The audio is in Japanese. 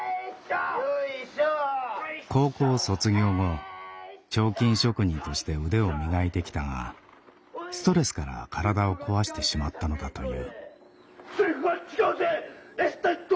高校卒業後彫金職人として腕を磨いてきたがストレスから体を壊してしまったのだという。